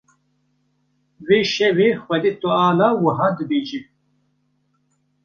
Vê şevê Xwedê Teala wiha dibêje: